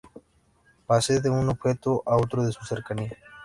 Pase de un objeto a otro de su cercanía.